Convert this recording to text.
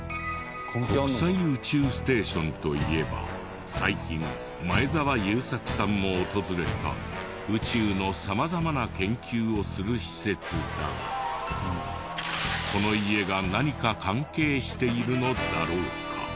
国際宇宙ステーションといえば最近前澤友作さんも訪れた宇宙の様々な研究をする施設だがこの家が何か関係しているのだろうか？